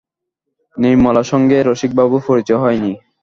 নির্মলার সঙ্গে রসিকবাবুর পরিচয় হয় নি?